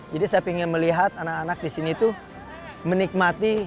jadi saya ingin melihat anak anak di sini tuh menikmati